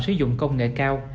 sử dụng công nghệ cao